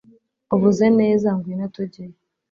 uvuze neza! ngwino tujyeyo